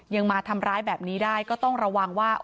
มาทำร้ายแบบนี้ได้ก็ต้องระวังว่า